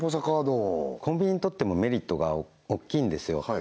カードコンビニにとってもメリットがおっきいんですよ